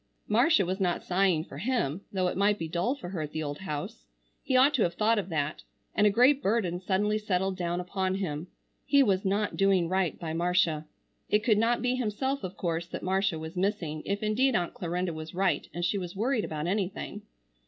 Marcia was not sighing for him, though it might be dull for her at the old house. He ought to have thought of that; and a great burden suddenly settled down upon him. He was not doing right by Marcia. It could not be himself of course that Marcia was missing, if indeed Aunt Clarinda was right and she was worried about anything.